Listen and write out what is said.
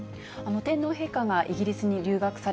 天皇陛下がイギリスに留学さ